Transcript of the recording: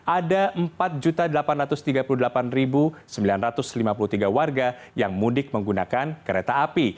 ada empat delapan ratus tiga puluh delapan sembilan ratus lima puluh tiga warga yang mudik menggunakan kereta api